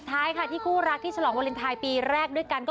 ผมเห็นของหน้าเหมือนกันนะ